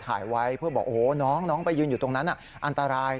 ถ่ายไว้เพื่อบอกโอ้โหน้องไปยืนอยู่ตรงนั้นอันตราย